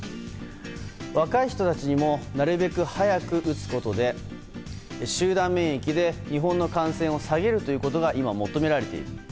若い人たちにもなるべく早く打つことで、集団免疫で日本の感染を下げるということが今、求められている。